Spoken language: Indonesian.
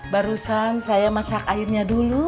barusan saya masak airnya dulu